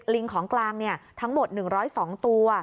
ลิงของกลางทั้งหมด๑๐๒ตัว